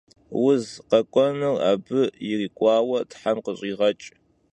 Vuzu khek'uenur abı yirik'uaue them khış'iğeç'!